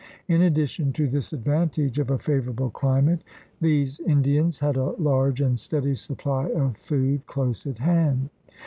In addition to this advantage of a favorable climate these Indians had a large and steady supply of food close at hand.